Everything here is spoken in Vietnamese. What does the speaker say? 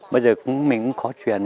bây giờ mình cũng khó truyền